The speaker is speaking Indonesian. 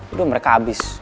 udah mereka abis